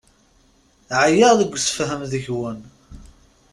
Ɛyiɣ deg usefhem deg-wen.